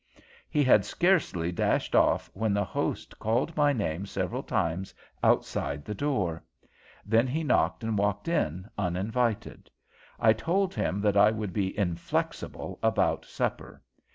"He had scarcely dashed off when the host called my name several times outside the door. Then he knocked and walked in, uninvited. I told him that I would be inflexible about supper.